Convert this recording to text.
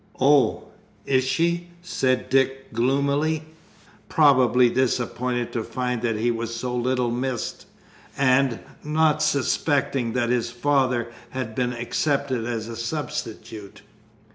"Oh, is she?" said Dick gloomily, probably disappointed to find that he was so little missed, and not suspecting that his father had been accepted as a substitute.